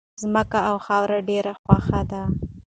ځمکې او خاورې ډېرې خوښې دي.